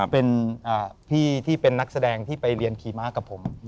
เป็นพี่ที่เป็นนักแสดงที่ไปเรียนขี่ม้ากับผม